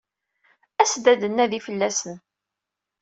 As-d ad d-nnadi fell-asen.